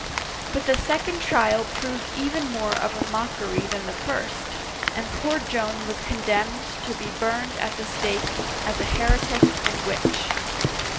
But the second trial proved even more of a mockery than the first, and poor Joan was condemned to be burned at the stake, as a heretic and witch.